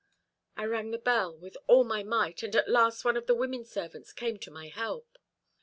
I rang the bell with all my might, and at last one of the women servants came to my help.